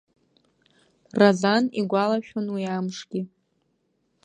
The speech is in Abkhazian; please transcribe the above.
Разан игәалашәон уи амшгьы.